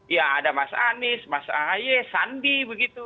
ya ada mas anis mas aye sandi begitu